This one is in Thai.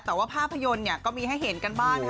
แต่ว่าภาพยนตร์ก็มีให้เห็นกันบ้างนะคะ